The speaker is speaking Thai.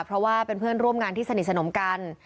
เพราะว่าเป็นเพื่อนร่วมงานที่สนิทสนมกัน